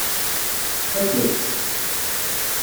Tfakk-ak-tt.